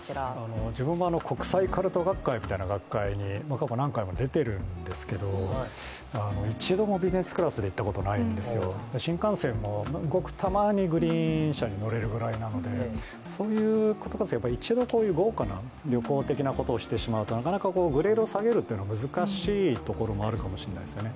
自分も国際カルト学会みたいな学会に過去、何回も出ているんですけど一度もビジネスクラスで行ったことないんです新幹線も、ごくたまにグリーン車に乗れるぐらいなんで、そういうことからすると一度こういう豪華な旅行みたいなことをしてしまうと、なかなかグレードを下げることは難しいところもあるかもしれないですよね。